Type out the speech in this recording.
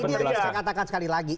ini yang saya katakan sekali lagi